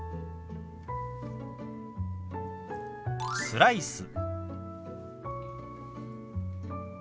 「スライス」。